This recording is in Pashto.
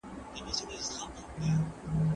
موږ د عدل او مساوات ملاتړ وکړ.